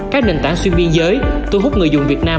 các nền tảng xuyên biên giới thu hút người dùng việt nam